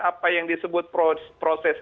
apa yang disebut proses